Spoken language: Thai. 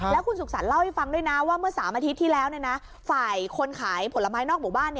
แล้วคุณสุขสรรคเล่าให้ฟังด้วยนะว่าเมื่อ๓อาทิตย์ที่แล้วฝ่ายคนขายผลไม้นอกหมู่บ้าน